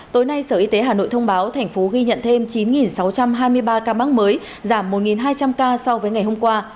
tối nay sở y tế hà nội thông báo thành phố ghi nhận thêm chín sáu trăm hai mươi ba ca mắc mới giảm một hai trăm linh ca so với ngày hôm qua